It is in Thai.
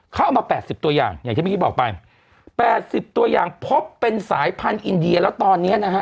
เขาเอามา๘๐ตัวอย่างอย่างที่เมื่อกี้บอกไป๘๐ตัวอย่างพบเป็นสายพันธุ์อินเดียแล้วตอนนี้นะฮะ